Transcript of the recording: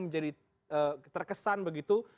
menjadi terkesan begitu